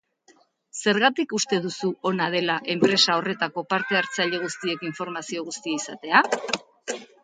Zergatik uste duzu ona dela enpresa horretako parte hartzaile guztiek informazio guztia izatea?